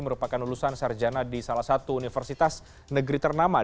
merupakan lulusan sarjana di salah satu universitas negeri ternama